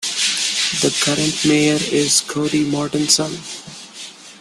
The current mayor is Cody Mortensen.